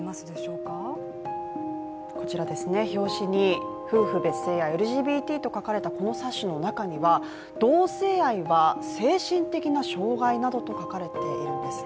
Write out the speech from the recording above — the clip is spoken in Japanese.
表紙に、夫婦別姓やＬＧＢＴと書かれた冊子の中には同性愛は、精神的な障害などと書かれているんです。